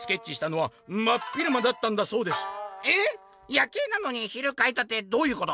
夜警なのに昼描いたってどういうこと？」。